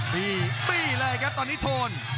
ปี้เลยครับตอนนี้โทน